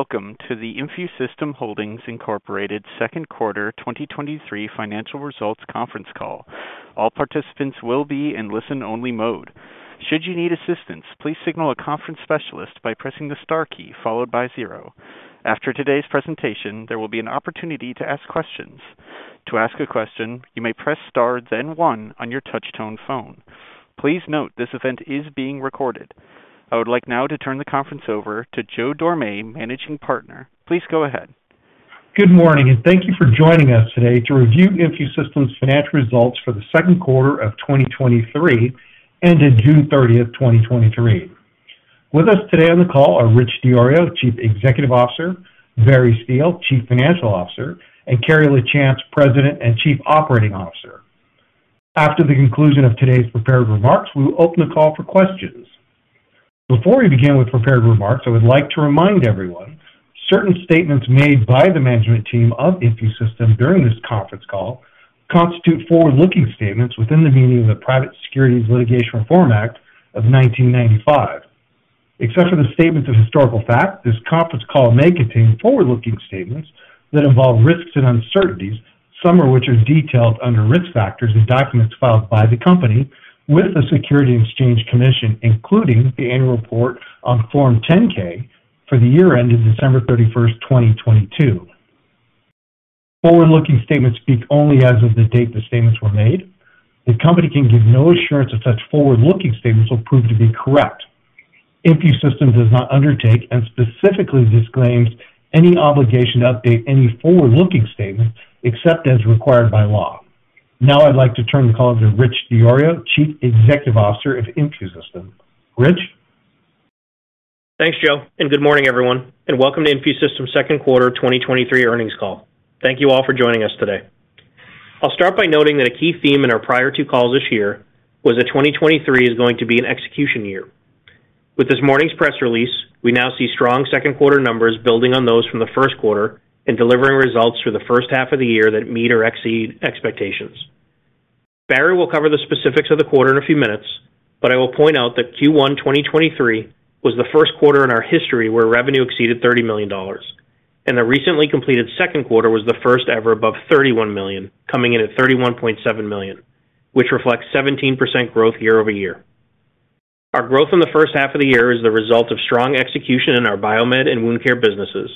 Hello, and welcome to the InfuSystem Holdings, Inc. Second Quarter 2023 financial results conference call. All participants will be in listen-only mode. Should you need assistance, please signal a conference specialist by pressing the * key followed by 0. After today's presentation, there will be an opportunity to ask questions. To ask a question, you may press *, then 1 on your touchtone phone. Please note, this event is being recorded. I would like now to turn the conference over to Joe Dorame, Managing Partner. Please go ahead. Good morning. Thank you for joining us today to review InfuSystem's financial results for the second quarter of 2023, ended June 30, 2023. With us today on the call are Rich DiIorio, Chief Executive Officer, Barry Steele, Chief Financial Officer, and Carrie Lachance, President and Chief Operating Officer. After the conclusion of today's prepared remarks, we will open the call for questions. Before we begin with prepared remarks, I would like to remind everyone, certain statements made by the management team of InfuSystem during this conference call constitute forward-looking statements within the meaning of the Private Securities Litigation Reform Act of 1995. Except for the statements of historical fact, this conference call may contain forward-looking statements that involve risks and uncertainties, some of which are detailed under risk factors in documents filed by the company with the Securities and Exchange Commission, including the annual report on Form 10-K for the year ended December 31st, 2022. Forward-looking statements speak only as of the date the statements were made. The company can give no assurance that such forward-looking statements will prove to be correct. InfuSystem does not undertake and specifically disclaims any obligation to update any forward-looking statements except as required by law. Now I'd like to turn the call to Rich DiIorio, Chief Executive Officer of InfuSystem. Rich? Thanks, Joe, good morning, everyone, and welcome to InfuSystem's second quarter 2023 earnings call. Thank you all for joining us today. I'll start by noting that a key theme in our prior two calls this year was that 2023 is going to be an execution year. With this morning's press release, we now see strong second quarter numbers building on those from the first quarter and delivering results for the first half of the year that meet or exceed expectations. Barry will cover the specifics of the quarter in a few minutes, but I will point out that Q1 2023 was the first quarter in our history where revenue exceeded $30 million, and the recently completed second quarter was the first ever above $31 million, coming in at $31.7 million, which reflects 17% growth year-over-year. Our growth in the first half of the year is the result of strong execution in our biomed and wound care businesses,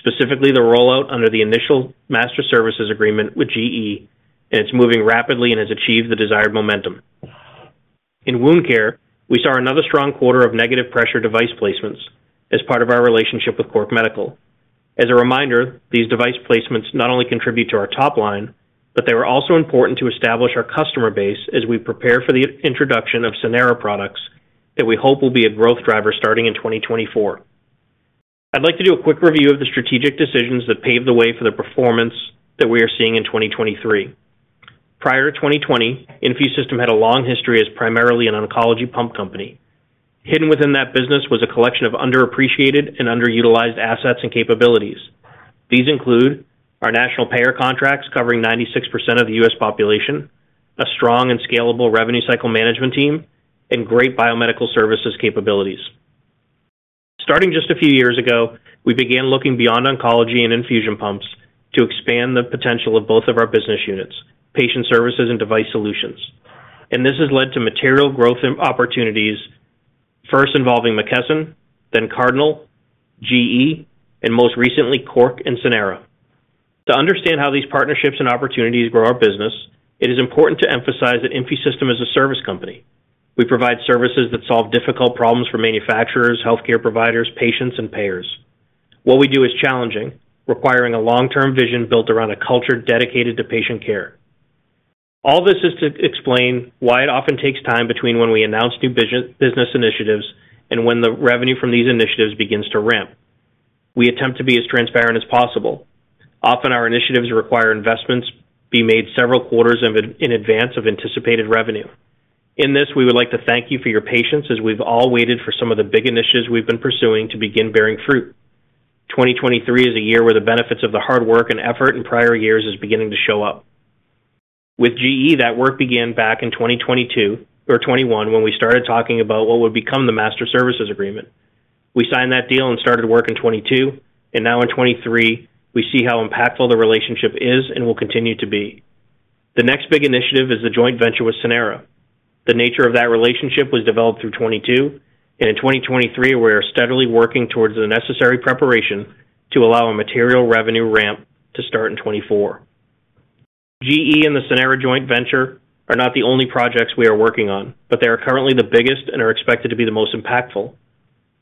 specifically the rollout under the initial master services agreement with GE. It's moving rapidly and has achieved the desired momentum. In wound care, we saw another strong quarter of negative pressure device placements as part of our relationship with Cork Medical. As a reminder, these device placements not only contribute to our top line, but they are also important to establish our customer base as we prepare for the introduction of Sanara products that we hope will be a growth driver starting in 2024. I'd like to do a quick review of the strategic decisions that paved the way for the performance that we are seeing in 2023. Prior to 2020, InfuSystem had a long history as primarily an oncology pump company. Hidden within that business was a collection of underappreciated and underutilized assets and capabilities. These include our national payer contracts, covering 96% of the U.S. population, a strong and scalable revenue cycle management team, and great biomedical services capabilities. Starting just a few years ago, we began looking beyond oncology and infusion pumps to expand the potential of both of our business units, Patient Services and Device Solutions. This has led to material growth in opportunities, first involving McKesson, then Cardinal, GE, and most recently, Cork and Sanara. To understand how these partnerships and opportunities grow our business, it is important to emphasize that InfuSystem is a service company. We provide services that solve difficult problems for manufacturers, healthcare providers, patients, and payers. What we do is challenging, requiring a long-term vision built around a culture dedicated to patient care. All this is to explain why it often takes time between when we announce new business initiatives and when the revenue from these initiatives begins to ramp. We attempt to be as transparent as possible. Often, our initiatives require investments be made several quarters in advance of anticipated revenue. In this, we would like to thank you for your patience as we've all waited for some of the big initiatives we've been pursuing to begin bearing fruit. 2023 is a year where the benefits of the hard work and effort in prior years is beginning to show up. With GE, that work began back in 2022 or 2021, when we started talking about what would become the master services agreement. We signed that deal and started work in 2022, and now in 2023, we see how impactful the relationship is and will continue to be. The next big initiative is the joint venture with Sanara. The nature of that relationship was developed through 2022, and in 2023, we are steadily working towards the necessary preparation to allow a material revenue ramp to start in 2024. GE and the Sanara joint venture are not the only projects we are working on, but they are currently the biggest and are expected to be the most impactful.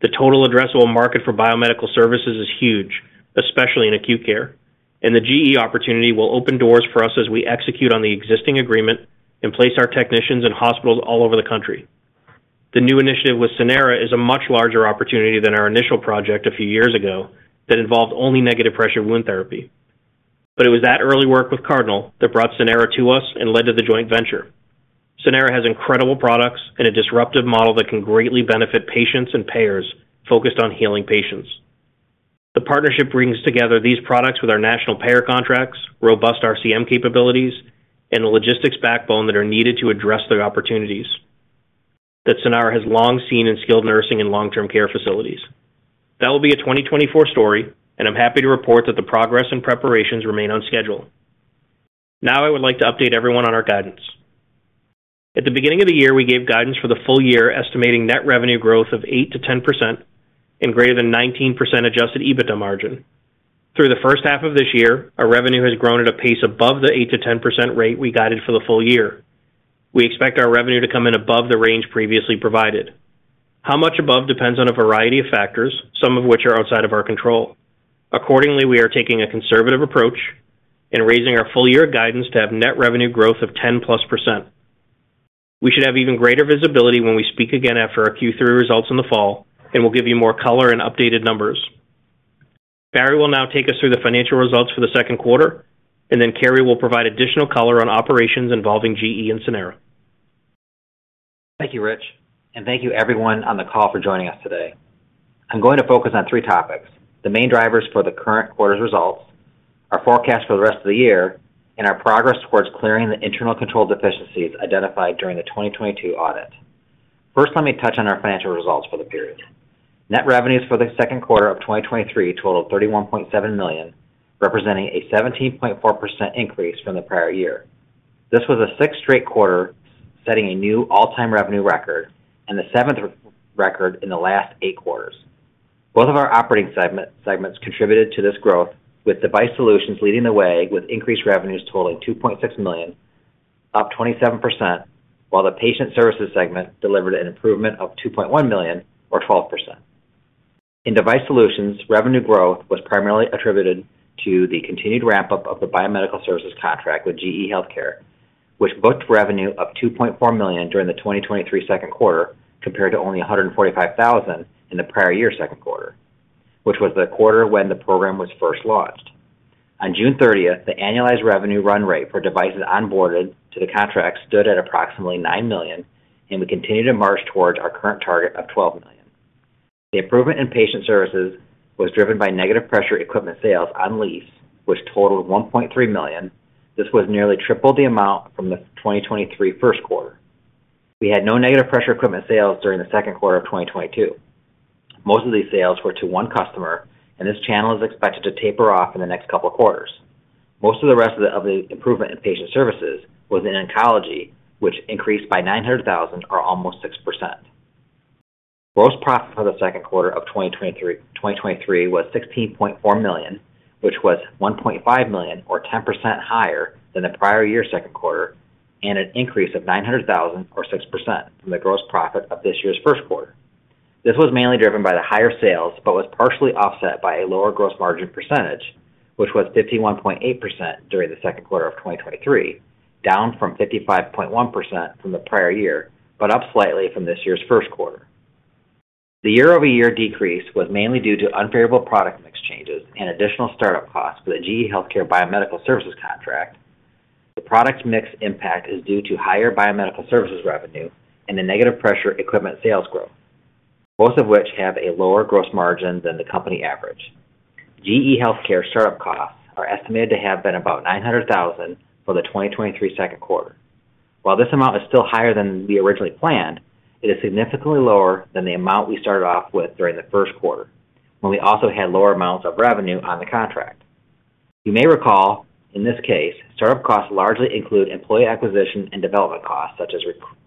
The total addressable market for biomedical services is huge, especially in acute care, and the GE opportunity will open doors for us as we execute on the existing agreement and place our technicians in hospitals all over the country. The new initiative with Sanara is a much larger opportunity than our initial project a few years ago that involved only negative pressure wound therapy. It was that early work with Cardinal that brought Sanara to us and led to the joint venture. Sanara has incredible products and a disruptive model that can greatly benefit patients and payers focused on healing patients. The partnership brings together these products with our national payer contracts, robust RCM capabilities, and a logistics backbone that are needed to address their opportunities, that Sanara has long seen in skilled nursing and long-term care facilities. That will be a 2024 story, and I'm happy to report that the progress and preparations remain on schedule. Now, I would like to update everyone on our guidance. At the beginning of the year, we gave guidance for the full year, estimating net revenue growth of 8%-10% and greater than 19% Adjusted EBITDA margin. Through the first half of this year, our revenue has grown at a pace above the 8%-10% rate we guided for the full year. We expect our revenue to come in above the range previously provided. How much above depends on a variety of factors, some of which are outside of our control. Accordingly, we are taking a conservative approach and raising our full year guidance to have net revenue growth of 10+%. We should have even greater visibility when we speak again after our Q3 results in the fall, and we'll give you more color and updated numbers. Barry will now take us through the financial results for the second quarter, and then Carrie will provide additional color on operations involving GE and Sanara. Thank you, Rich, and thank you everyone on the call for joining us today. I'm going to focus on 3 topics: the main drivers for the current quarter's results, our forecast for the rest of the year, and our progress towards clearing the internal control deficiencies identified during the 2022 audit. First, let me touch on our financial results for the period. Net revenues for the second quarter of 2023 totaled $31.7 million, representing a 17.4% increase from the prior year. This was the sixth straight quarter, setting a new all-time revenue record and the seventh record in the last 8 quarters. Both of our operating segments contributed to this growth, with Device Solutions leading the way with increased revenues totaling $2.6 million, up 27%, while the Patient Services segment delivered an improvement of $2.1 million, or 12%. In Device Solutions, revenue growth was primarily attributed to the continued ramp-up of the biomedical services contract with GE HealthCare, which booked revenue of $2.4 million during the 2023 second quarter, compared to only $145,000 in the prior year's second quarter, which was the quarter when the program was first launched. On June 30th, the annualized revenue run rate for devices onboarded to the contract stood at approximately $9 million, and we continue to march towards our current target of $12 million. The improvement in Patient Services was driven by negative pressure equipment sales on lease, which totaled $1.3 million. This was nearly triple the amount from the 2023 first quarter. We had no negative pressure equipment sales during the second quarter of 2022. Most of these sales were to one customer, and this channel is expected to taper off in the next couple of quarters. Most of the rest of the improvement in Patient Services was in oncology, which increased by $900,000, or almost 6%. Gross profit for the second quarter of 2023 was $16.4 million, which was $1.5 million, or 10% higher than the prior year's second quarter, and an increase of $900,000, or 6%, from the gross profit of this year's first quarter. This was mainly driven by the higher sales, was partially offset by a lower gross margin percentage, which was 51.8% during the second quarter of 2023, down from 55.1% from the prior year, but up slightly from this year's first quarter. The year-over-year decrease was mainly due to unfavorable product mix changes and additional startup costs for the GE HealthCare Biomedical Services contract. The product mix impact is due to higher biomedical services revenue and the negative pressure equipment sales growth, both of which have a lower gross margin than the company average. GE HealthCare startup costs are estimated to have been about $900,000 for the 2023 second quarter. While this amount is still higher than we originally planned, it is significantly lower than the amount we started off with during the first quarter, when we also had lower amounts of revenue on the contract. You may recall, in this case, startup costs largely include employee acquisition and development costs, such as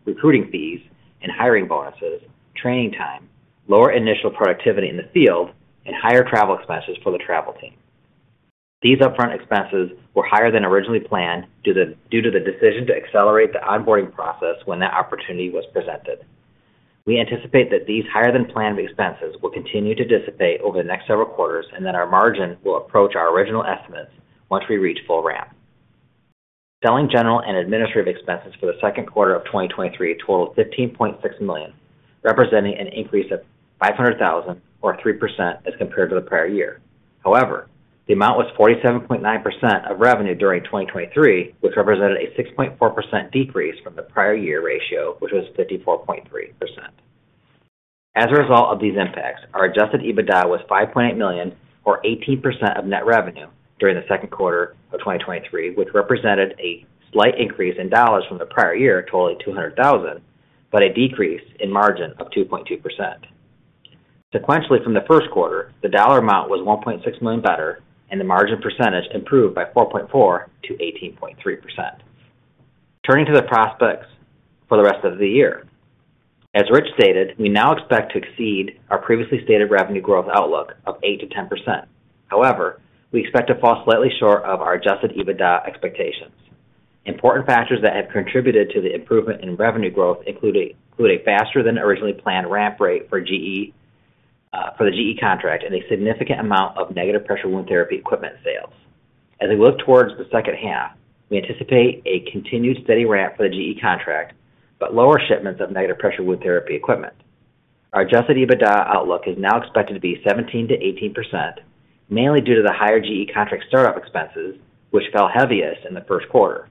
recruiting fees and hiring bonuses, training time, lower initial productivity in the field, and higher travel expenses for the travel team. These upfront expenses were higher than originally planned due to the decision to accelerate the onboarding process when that opportunity was presented. We anticipate that these higher-than-planned expenses will continue to dissipate over the next several quarters and that our margin will approach our original estimates once we reach full ramp. Selling general and administrative expenses for the second quarter of 2023 totaled $15.6 million, representing an increase of $500,000, or 3%, as compared to the prior year. The amount was 47.9% of revenue during 2023, which represented a 6.4% decrease from the prior year ratio, which was 54.3%. As a result of these impacts, our Adjusted EBITDA was $5.8 million, or 18% of net revenue during the second quarter of 2023, which represented a slight increase in dollars from the prior year, totaling $200,000, but a decrease in margin of 2.2%. Sequentially, from the first quarter, the dollar amount was $1.6 million better, and the margin percentage improved by 4.4 to 18.3%. Turning to the prospects for the rest of the year. As Rich stated, we now expect to exceed our previously stated revenue growth outlook of 8%-10%. However, we expect to fall slightly short of our Adjusted EBITDA expectations. Important factors that have contributed to the improvement in revenue growth include a faster than originally planned ramp rate for GE, for the GE contract and a significant amount of negative pressure wound therapy equipment sales. As we look towards the second half, we anticipate a continued steady ramp for the GE contract, but lower shipments of negative pressure wound therapy equipment. Our Adjusted EBITDA outlook is now expected to be 17%-18%, mainly due to the higher GE contract startup expenses, which fell heaviest in the first quarter.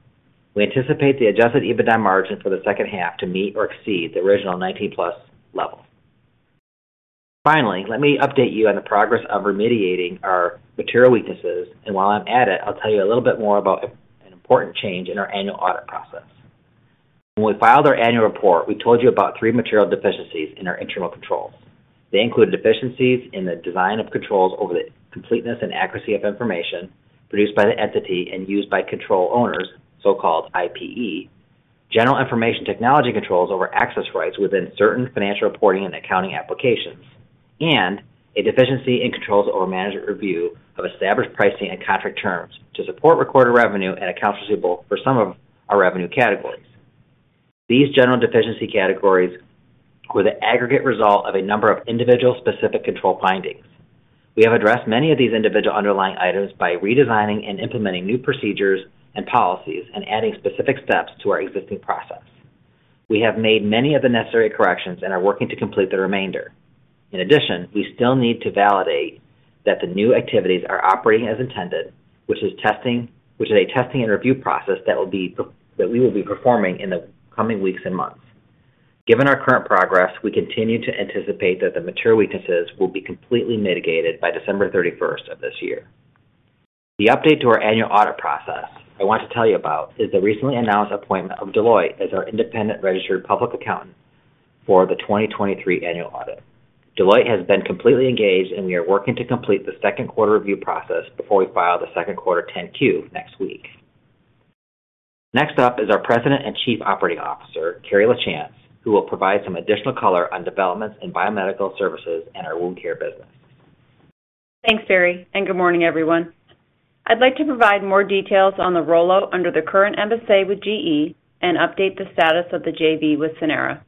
We anticipate the Adjusted EBITDA margin for the second half to meet or exceed the original 19+ level. Finally, let me update you on the progress of remediating our material weaknesses, and while I'm at it, I'll tell you a little bit more about an important change in our annual audit process. When we filed our annual report, we told you about three material deficiencies in our internal controls. They include deficiencies in the design of controls over the completeness and accuracy of information produced by the entity and used by control owners, so-called IPE, general information technology controls over access rights within certain financial reporting and accounting applications, and a deficiency in controls over management review of established pricing and contract terms to support recorded revenue and accounts receivable for some of our revenue categories. These general deficiency categories were the aggregate result of a number of individual specific control findings. We have addressed many of these individual underlying items by redesigning and implementing new procedures and policies and adding specific steps to our existing process. We have made many of the necessary corrections and are working to complete the remainder. In addition, we still need to validate that the new activities are operating as intended, which is a testing and review process that we will be performing in the coming weeks and months. Given our current progress, we continue to anticipate that the material weaknesses will be completely mitigated by December 31st of this year. The update to our annual audit process I want to tell you about is the recently announced appointment of Deloitte as our independent registered public accountant for the 2023 annual audit. Deloitte has been completely engaged, and we are working to complete the second quarter review process before we file the second quarter 10-Q next week. Next up is our President and Chief Operating Officer, Carrie LaChance, who will provide some additional color on developments in biomedical services and our wound care business. Thanks, Barry. Good morning, everyone. I'd like to provide more details on the rollout under the current MSA with GE and update the status of the JV with Sanara.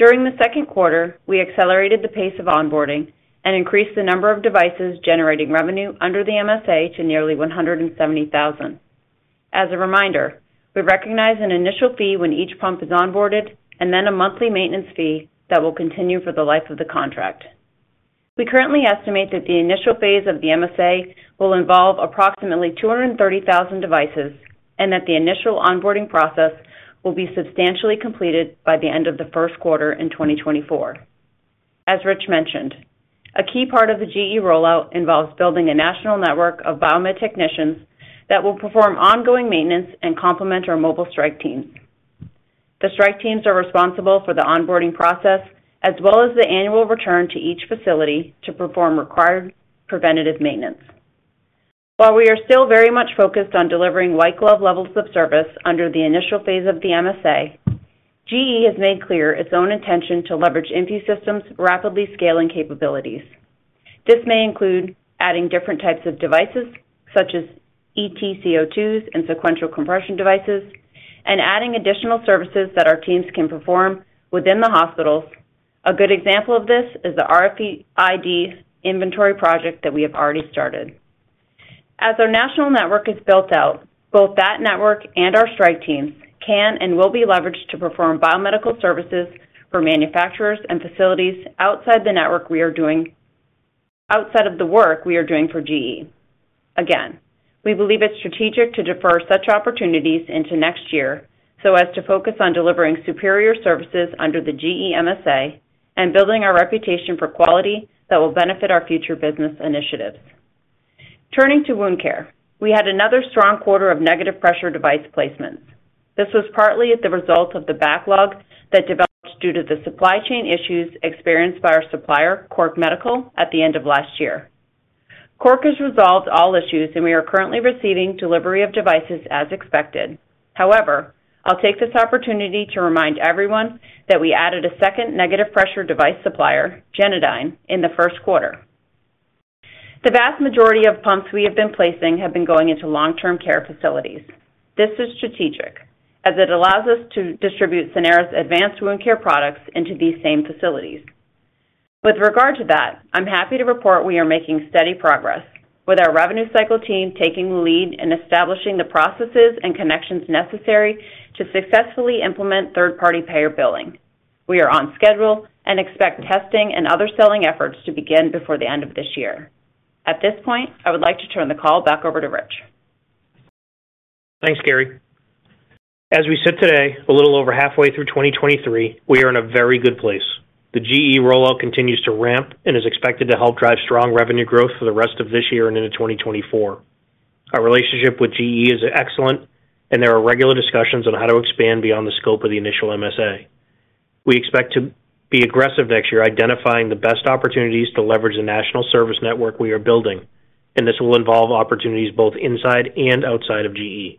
During the second quarter, we accelerated the pace of onboarding and increased the number of devices generating revenue under the MSA to nearly 170,000. As a reminder, we recognize an initial fee when each pump is onboarded and then a monthly maintenance fee that will continue for the life of the contract. We currently estimate that the initial phase of the MSA will involve approximately 230,000 devices and that the initial onboarding process will be substantially completed by the end of the first quarter in 2024. As Rich mentioned, a key part of the GE rollout involves building a national network of biomed technicians that will perform ongoing maintenance and complement our mobile strike teams. The strike teams are responsible for the onboarding process, as well as the annual return to each facility to perform required preventative maintenance. While we are still very much focused on delivering white-glove levels of service under the initial phase of the MSA, GE has made clear its own intention to leverage InfuSystem's rapidly scaling capabilities. This may include adding different types of devices, such as EtCO2s and sequential compression devices, and adding additional services that our teams can perform within the hospitals. A good example of this is the RFID inventory project that we have already started. As our national network is built out, both that network and our strike teams can and will be leveraged to perform biomedical services for manufacturers and facilities outside of the work we are doing for GE. Again, we believe it's strategic to defer such opportunities into next year so as to focus on delivering superior services under the GE MSA and building our reputation for quality that will benefit our future business initiatives. Turning to wound care, we had another strong quarter of negative pressure device placements. This was partly as the result of the backlog that developed due to the supply chain issues experienced by our supplier, Cork Medical, at the end of last year. Cork has resolved all issues, and we are currently receiving delivery of devices as expected. However, I'll take this opportunity to remind everyone that we added a second negative pressure device supplier, Genadyne, in the first quarter. The vast majority of pumps we have been placing have been going into long-term care facilities. This is strategic, as it allows us to distribute Sanara's advanced wound care products into these same facilities. With regard to that, I'm happy to report we are making steady progress, with our revenue cycle team taking the lead in establishing the processes and connections necessary to successfully implement third-party payer billing. We are on schedule and expect testing and other selling efforts to begin before the end of this year. At this point, I would like to turn the call back over to Rich. Thanks, Carrie. As we sit today, a little over halfway through 2023, we are in a very good place. The GE rollout continues to ramp and is expected to help drive strong revenue growth for the rest of this year and into 2024. Our relationship with GE is excellent. There are regular discussions on how to expand beyond the scope of the initial MSA. We expect to be aggressive next year, identifying the best opportunities to leverage the national service network we are building. This will involve opportunities both inside and outside of GE.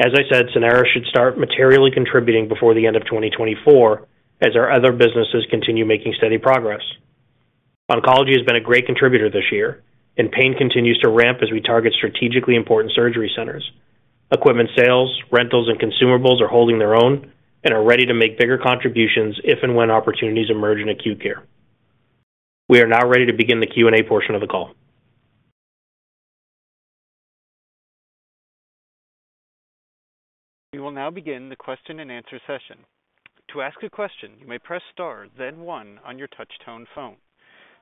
As I said, Sanara should start materially contributing before the end of 2024, as our other businesses continue making steady progress. Oncology has been a great contributor this year, and Pain continues to ramp as we target strategically important surgery centers. Equipment sales, rentals, and consumables are holding their own and are ready to make bigger contributions if and when opportunities emerge in acute care. We are now ready to begin the Q&A portion of the call. We will now begin the question-and-answer session. To ask a question, you may press *, then one on your touch tone phone.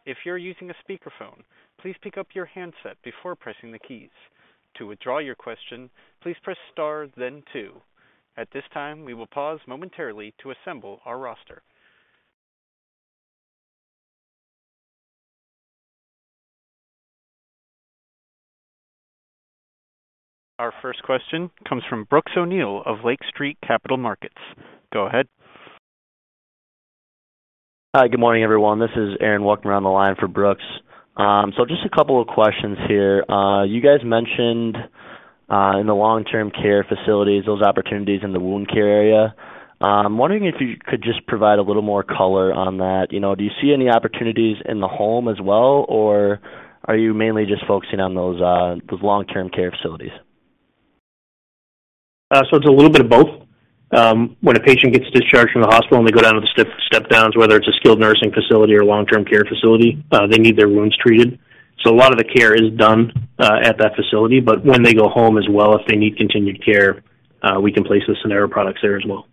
If you're using a speakerphone, please pick up your handset before pressing the keys. To withdraw your question, please press *, then two. At this time, we will pause momentarily to assemble our roster. Our first question comes from Brooks O'Neil of Lake Street Capital Markets. Go ahead. Hi, good morning, everyone. This is Aaron walking around the line for Brooks. Just 2 questions here. You guys mentioned in the long-term care facilities, those opportunities in the wound care area. I'm wondering if you could just provide a little more color on that. You know, do you see any opportunities in the home as well, or are you mainly just focusing on those long-term care facilities? It's a little bit of both. When a patient gets discharged from the hospital, and they go down to the step, step downs, whether it's a skilled nursing facility or long-term care facility, they need their wounds treated. A lot of the care is done at that facility, but when they go home as well, if they need continued care, we can place the Sanara products there as well.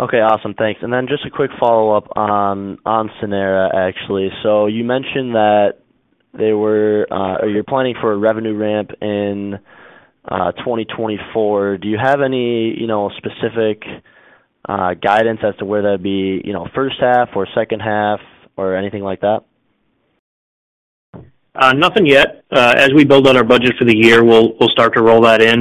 Okay, awesome. Thanks. Then just a quick follow-up on, on Sanara, actually. You mentioned that they were, or you're planning for a revenue ramp in 2024. Do you have any, you know, specific guidance as to whether that'd be, you know, first half or second half or anything like that? Nothing yet. As we build out our budget for the year, we'll, we'll start to roll that in.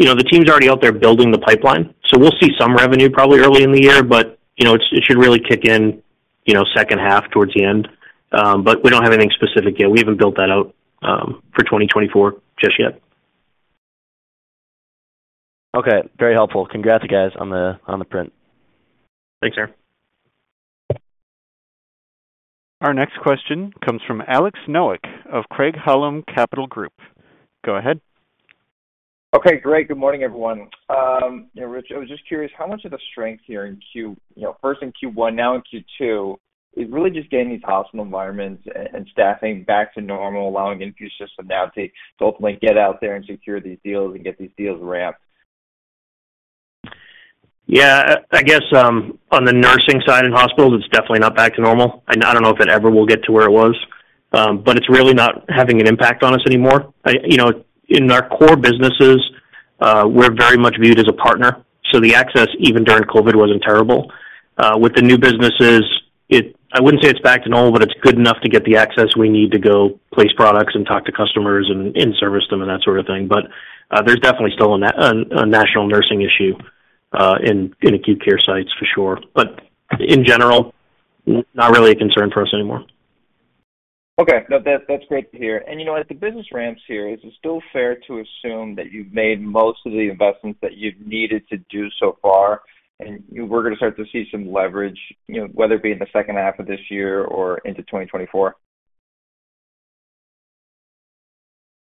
You know, the team's already out there building the pipeline, so we'll see some revenue probably early in the year, but, you know, it should really kick in, you know, second half towards the end. We don't have anything specific yet. We haven't built that out for 2024 just yet. Okay. Very helpful. Congrats, you guys, on the, on the print. Thanks, Aaron. Our next question comes from Alex Nowak of Craig-Hallum Capital Group. Go ahead. Okay, great. Good morning, everyone. Yeah, Rich, I was just curious, how much of the strength here in Q-- you know, first in Q1, now in Q2, is really just getting these hospital environments and staffing back to normal, allowing InfuSystem now to ultimately get out there and secure these deals and get these deals ramped? Yeah, I, I guess on the nursing side in hospitals, it's definitely not back to normal. I, I don't know if it ever will get to where it was, it's really not having an impact on us anymore. I You know, in our core businesses, we're very much viewed as a partner, so the access, even during COVID wasn't terrible. With the new businesses, it I wouldn't say it's back to normal, but it's good enough to get the access we need to go place products and talk to customers and service them and that sort of thing. There's definitely still a national nursing issue in acute care sites, for sure. In general, not really a concern for us anymore. Okay. No, that, that's great to hear. You know, as the business ramps here, is it still fair to assume that you've made most of the investments that you've needed to do so far, and we're going to start to see some leverage, you know, whether it be in the second half of this year or into 2024?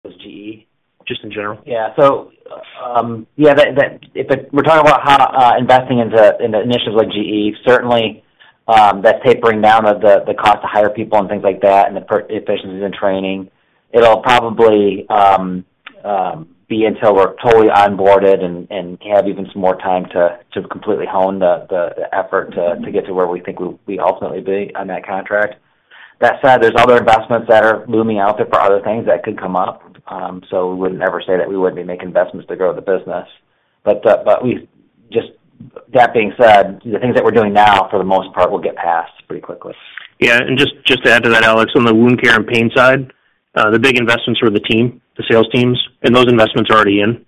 With GE? Just in general? Yeah. Yeah, that, that we're talking about how investing in the, in the initiatives like GE, certainly, that tapering down of the, the cost to hire people and things like that, and the efficiencies in training, it'll probably be until we're totally onboarded and, and have even some more time to, to completely hone the, the, the effort to, to get to where we think we, we ultimately be on that contract. That said, there's other investments that are looming out there for other things that could come up. We wouldn't ever say that we wouldn't be making investments to grow the business. We've, just that being said, the things that we're doing now, for the most part, will get passed pretty quickly. Yeah, just, just to add to that, Alex, on the wound care and pain side, the big investments were the team, the sales teams, and those investments are already in.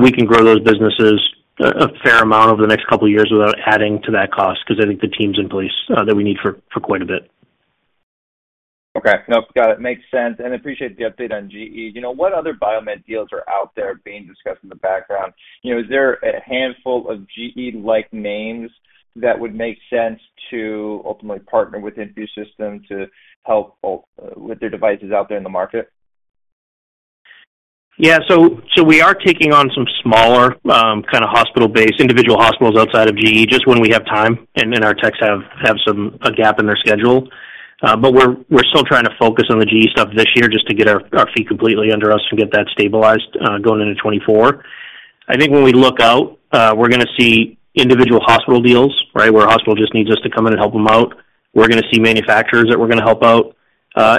We can grow those businesses a fair amount over the next couple of years without adding to that cost, because I think the team's in place, that we need for, for quite a bit. Okay. Nope, got it. Makes sense, and appreciate the update on GE. You know, what other biomed deals are out there being discussed in the background? You know, is there a handful of GE-like names that would make sense to ultimately partner with InfuSystem to help with their devices out there in the market? Yeah, we are taking on some smaller, kind of hospital-based, individual hospitals outside of GE, just when we have time, and then our techs have, have some, a gap in their schedule. We're, we're still trying to focus on the GE stuff this year just to get our, our feet completely under us and get that stabilized, going into 2024. I think when we look out, we're going to see individual hospital deals, right? Where a hospital just needs us to come in and help them out. We're going to see manufacturers that we're going to help out.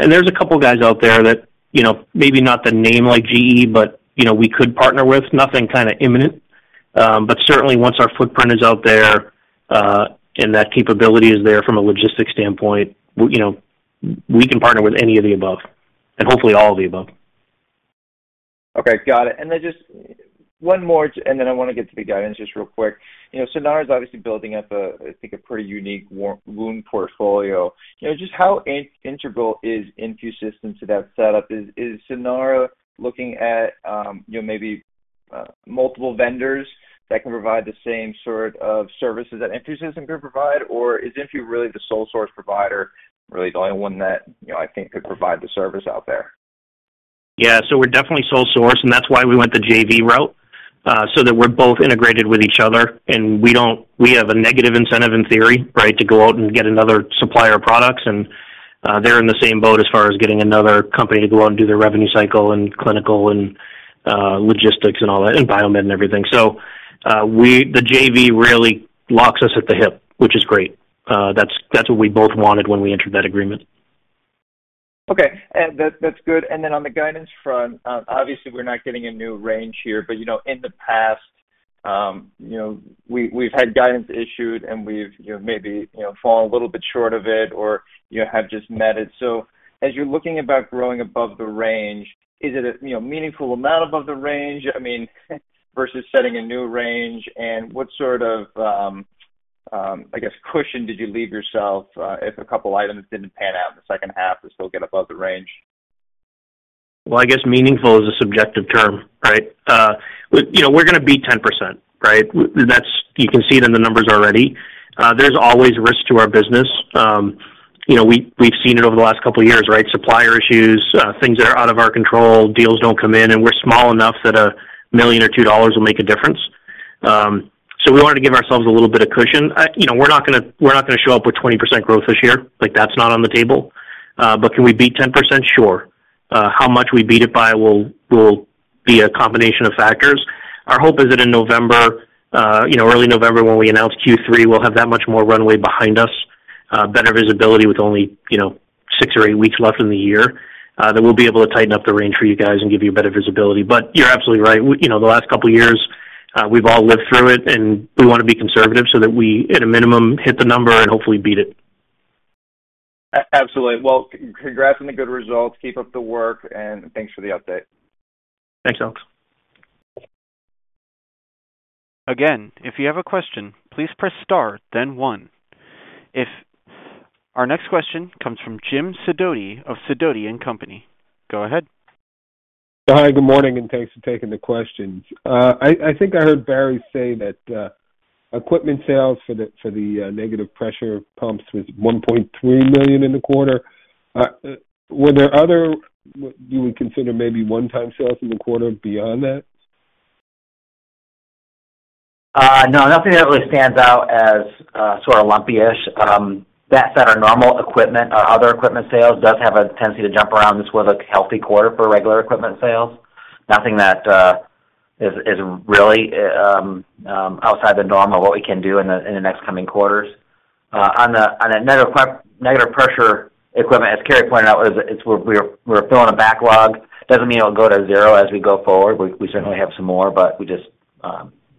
There's a couple of guys out there that, you know, maybe not the name like GE, but, you know, we could partner with. Nothing kind of imminent. Certainly, once our footprint is out there, and that capability is there from a logistics standpoint, you know, we can partner with any of the above, and hopefully all of the above. Okay, got it. Then just one more, and then I want to get to the guidance just real quick. You know, Sanara is obviously building up a, I think, a pretty unique wound portfolio. You know, just how integral is InfuSystem to that setup? Is, is Sanara looking at, you know, maybe multiple vendors that can provide the same sort of services that InfuSystem can provide? Or is Infu really the sole source provider, really the only one that, you know, I think could provide the service out there? Yeah, so we're definitely sole source, and that's why we went the JV route, so that we're both integrated with each other, and we don't-- we have a negative incentive, in theory, right, to go out and get another supplier of products. They're in the same boat as far as getting another company to go out and do their revenue cycle and clinical and-... logistics and all that, and biomed and everything. We-- the JV really locks us at the hip, which is great. That's, that's what we both wanted when we entered that agreement. Okay. That, that's good. Then on the guidance front, obviously, we're not getting a new range here, but, you know, in the past, you know, we, we've had guidance issued, and we've, you know, maybe, you know, fallen a little bit short of it or, you know, have just met it. As you're looking about growing above the range, is it a, you know, meaningful amount above the range? I mean, versus setting a new range, and what sort of, I guess, cushion did you leave yourself, if a couple items didn't pan out in the second half to still get above the range? Well, I guess meaningful is a subjective term, right? You know, we're gonna beat 10%, right? You can see it in the numbers already. There's always risk to our business. You know, we, we've seen it over the last couple of years, right? Supplier issues, things that are out of our control, deals don't come in, and we're small enough that $1 million or $2 million will make a difference. We wanted to give ourselves a little bit of cushion. You know, we're not gonna, we're not gonna show up with 20% growth this year. Like, that's not on the table. Can we beat 10%? Sure. How much we beat it by will, will be a combination of factors. Our hope is that in November, you know, early November, when we announce Q3, we'll have that much more runway behind us, better visibility with only, you know, six or eight weeks left in the year, that we'll be able to tighten up the range for you guys and give you better visibility. You're absolutely right. you know, the last couple of years, we've all lived through it, and we wanna be conservative so that we, at a minimum, hit the number and hopefully beat it. A-absolutely. Well, congrats on the good results. Keep up the work. Thanks for the update. Thanks, Alex. Again, if you have a question, please press Star, then One. Our next question comes from Jim Sidoti of Sidoti & Company. Go ahead. Hi, good morning, thanks for taking the questions. I, I think I heard Barry say that equipment sales for the, for the, negative pressure pumps was $1.3 million in the quarter. Were there other, you would consider maybe one-time sales in the quarter beyond that? No, nothing that really stands out as sort of lumpy-ish. That's our normal equipment. Our other equipment sales does have a tendency to jump around. This was a healthy quarter for regular equipment sales. Nothing that is, is really outside the norm of what we can do in the next coming quarters. On the negative pressure equipment, as Carrie pointed out, it's, it's where we're, we're filling a backlog. Doesn't mean it'll go to zero as we go forward. We, we certainly have some more, but we just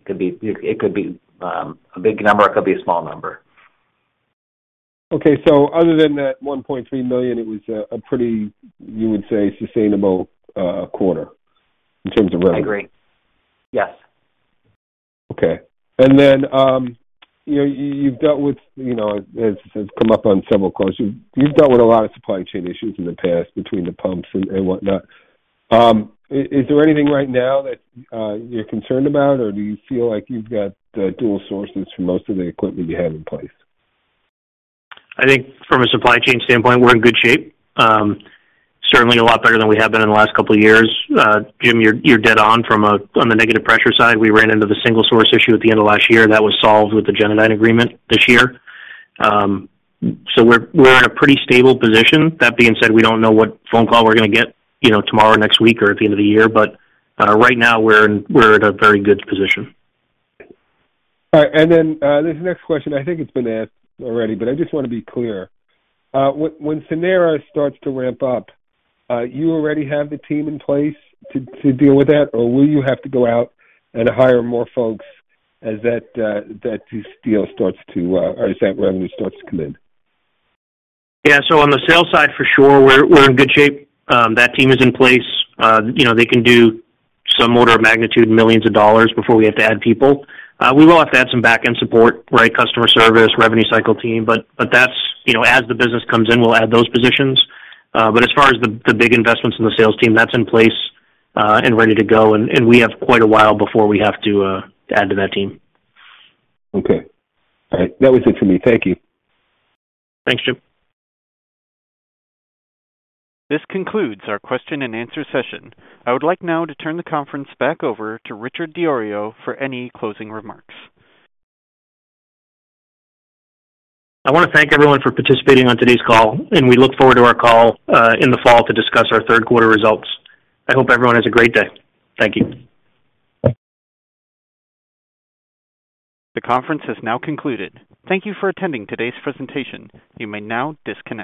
could be, it could be a big number, it could be a small number. Other than that $1.3 million, it was a pretty, you would say, sustainable, quarter in terms of revenue? I agree. Yes. Okay. Then, you know, you've dealt with, you know, as has come up on several calls, you've dealt with a lot of supply chain issues in the past between the pumps and, and whatnot. Is there anything right now that you're concerned about, or do you feel like you've got the dual sources for most of the equipment you have in place? I think from a supply chain standpoint, we're in good shape. Certainly a lot better than we have been in the last couple of years. Jim, you're, you're dead on on the negative pressure side, we ran into the single source issue at the end of last year. That was solved with the Genadyne agreement this year. We're, we're in a pretty stable position. That being said, we don't know what phone call we're gonna get, you know, tomorrow, next week, or at the end of the year, right now we're in, we're in a very good position. All right. Then, this next question, I think it's been asked already, but I just want to be clear. When Sanara starts to ramp up, you already have the team in place to, to deal with that, or will you have to go out and hire more folks as that, this deal starts to, or as that revenue starts to come in? Yeah, on the sales side, for sure, we're in good shape. That team is in place. You know, they can do some order of magnitude, millions of dollars before we have to add people. We will have to add some back-end support, right? Customer service, revenue cycle team, but that's, you know, as the business comes in, we'll add those positions. As far as the big investments in the sales team, that's in place and ready to go, and we have quite a while before we have to add to that team. Okay. All right. That was it for me. Thank you. Thanks, Jim. This concludes our question-and-answer session. I would like now to turn the conference back over to Richard DiIorio for any closing remarks. I want to thank everyone for participating on today's call, and we look forward to our call, in the fall to discuss our third-quarter results. I hope everyone has a great day. Thank you. The conference has now concluded. Thank you for attending today's presentation. You may now disconnect.